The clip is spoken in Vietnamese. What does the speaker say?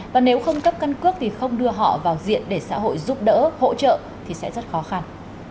và nếu không cấp căn cước thì không đưa họ vào diện để xã hội giúp đỡ hỗ trợ thì sẽ rất khó khăn